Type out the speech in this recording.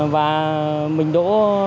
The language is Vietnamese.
và mình đỗ